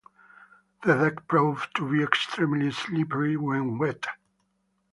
The deck proved to be extremely slippery when wet.